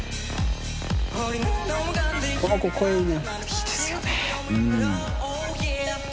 いいですよね。